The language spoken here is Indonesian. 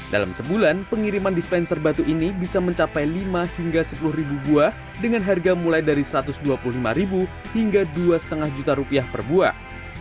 dalam sebulan pengiriman dispenser batu ini bisa mencapai lima hingga sepuluh ribu buah dengan harga mulai dari satu ratus dua puluh lima ribu hingga dua lima juta rupiah per buah